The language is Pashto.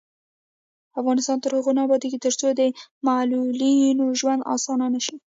افغانستان تر هغو نه ابادیږي، ترڅو د معلولینو ژوند اسانه نشي.